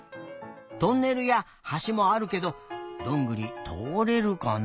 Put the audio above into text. トンネルやはしもあるけどどんぐりとおれるかな？